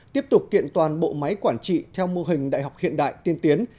tiếp tục kiện toàn bộ máy quản trị theo mô hình đại học hiện đại tiên tiến